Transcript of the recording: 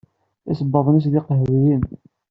Isebbaḍen-is d iqehwiyen.